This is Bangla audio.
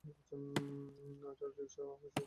ঐটারও চিকিৎসা আছে আমার কাছে।